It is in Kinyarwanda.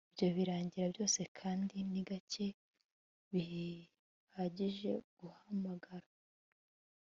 Ibyo birangira byose Kandi ni gake bihagije guhamagara